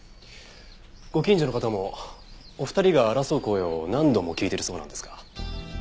ご近所の方もお二人が争う声を何度も聞いているそうなんですが。